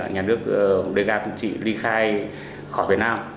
nhà nước đề ga tự trị ly khai khỏi việt nam